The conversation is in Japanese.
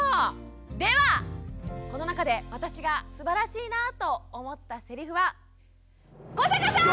ではこの中で私がすばらしいなと思ったせりふは古坂さん！